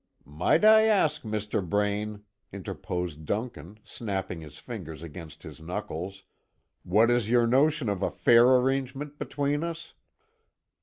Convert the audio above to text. "Might I ask, Mr. Braine," interposed Duncan, snapping his fingers against his knuckles, "what is your notion of a fair arrangement between us?"